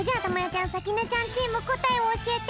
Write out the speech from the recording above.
ちゃんさきねちゃんチームこたえをおしえて。